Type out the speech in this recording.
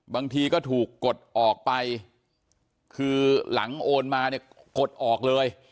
บางทีก็ถูกกดออกไปคือหลังโอนมาเนี่ยกดออกเลย